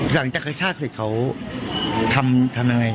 หลังจากไทยชาติเขาทำยังไง